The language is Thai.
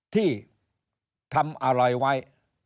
ที่ทำอะไรไว้